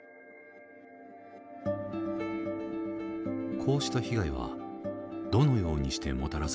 こうした被害はどのようにしてもたらされたのか。